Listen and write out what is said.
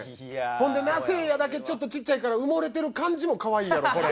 ほんでなせいやだけちょっとちっちゃいから埋もれてる感じもかわいいやろこれ。